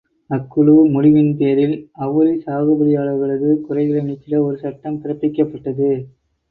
அக்குழு முடிவின் பேரில், அவுரி சாகுபடியாளர்களது குறைகளை நீக்கிட ஒரு சட்டம் பிறப்பிக்கப்பட்டது.